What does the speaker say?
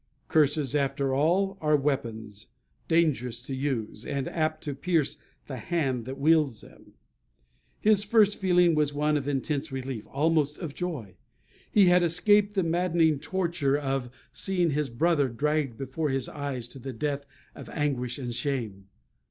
Curses, after all, are weapons dangerous to use, and apt to pierce the hand that wields them. His first feeling was one of intense relief, almost of joy. He had escaped the maddening torture of seeing his brother dragged before his eyes to the death of anguish and shame.